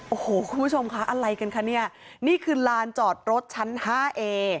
โอ้โหคุณผู้ชมคะอะไรกันคะเนี่ยนี่คือลานจอดรถชั้นห้าเอ